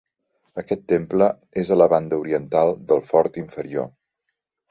Aquest temple és a la banda oriental del fort inferior.